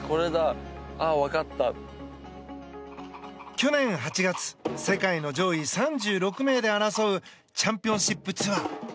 去年８月世界の上位３６名で争うチャンピオンシップツアー。